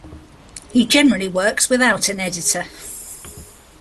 He generally works without an editor.